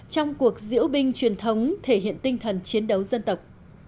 trong cuộc diễu binh truyền thống thể hiện tinh thần chiến đấu dân tộc